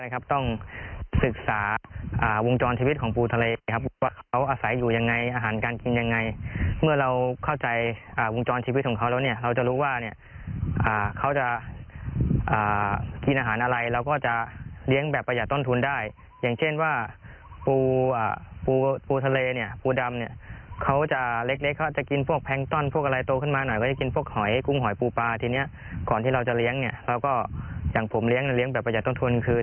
ก่อนที่เราจะเลี้ยงเนี่ยเราก็อย่างผมเลี้ยงแบบประหยัดต้นทุนคือ